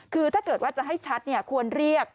คือถ้าเกิดว่าจะให้ชัดควรเรียก